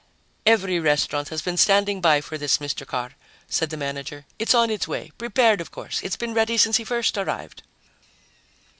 "Every restaurant has been standing by for this, Mr. Carr," said the manager. "It's on its way. Prepared, of course it's been ready since he first arrived."